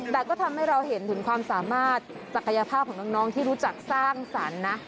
แต่ก็ทำให้เราเห็นถึงความสามารถศักยภาพของน้องที่รู้จักสร้างสรรค์นะ